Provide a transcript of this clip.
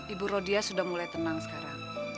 ibu rodia sudah mulai tenang sekarang